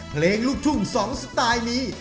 เพลงลูกทุ่ง๒สไตล์นี้